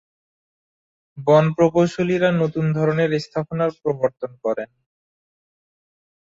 বন প্রকৌশলীরা নতুন ধরনের স্থাপনার প্রবর্তন করেন।